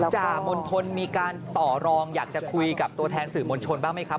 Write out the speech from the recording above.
จ่ามณฑลมีการต่อรองอยากจะคุยกับตัวแทนสื่อมวลชนบ้างไหมครับ